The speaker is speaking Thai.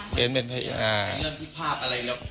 พิภาพแรง